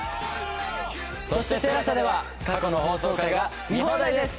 そしてＴＥＬＡＳＡでは過去の放送回が見放題です。